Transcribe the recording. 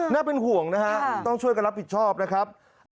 น่าเป็นห่วงนะฮะต้องช่วยกันรับผิดชอบนะครับ